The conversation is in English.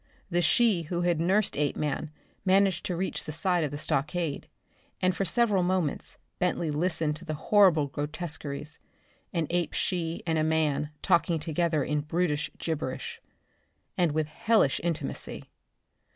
The she who had nursed Apeman managed to reach the side of the stockade, and for several moments Bentley listened to the horrible grotesqueries an ape she and a man talking together in brutish gibberish, and with hellish intimacy.